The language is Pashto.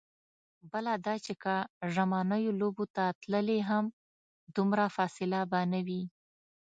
بله دا چې که ژمنیو لوبو ته تللې هم، دومره فاصله به نه وي.